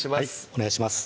お願いします